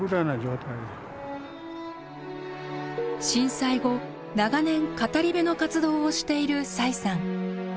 震災後長年語り部の活動をしている崔さん。